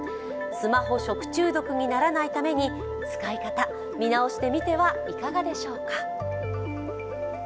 スマホ食中毒にならないために使い方、見直してみてはいかがでしょうか。